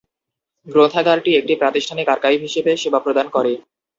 গ্রন্থাগারটি একটি প্রাতিষ্ঠানিক আর্কাইভ হিসেবে সেবা প্রদান করে।